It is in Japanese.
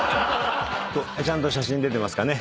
ちゃんと写真出てますかね。